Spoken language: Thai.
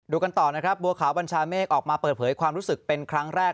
กันต่อนะครับบัวขาวบัญชาเมฆออกมาเปิดเผยความรู้สึกเป็นครั้งแรก